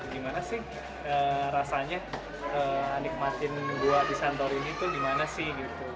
gimana sih rasanya nikmatin gua di santorini itu gimana sih